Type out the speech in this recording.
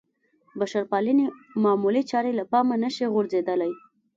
بشرپالنې معمولې چارې له پامه نه شي غورځېدلی.